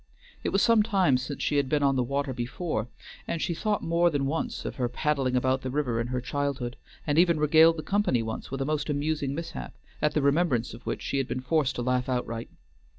It was some time since she had been on the water before, and she thought more than once of her paddling about the river in her childhood, and even regaled the company once with a most amusing mishap, at the remembrance of which she had been forced to laugh outright.